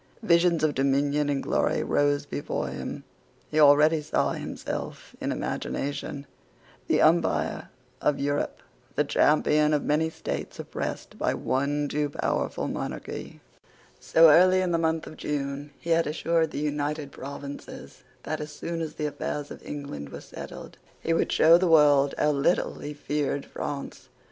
Visions of dominion and glory rose before him. He already saw himself, in imagination, the umpire of Europe, the champion of many states oppressed by one too powerful monarchy. So early as the month of June he had assured the United Provinces that, as soon as the affairs of England were settled, he would show the world how little he feared France.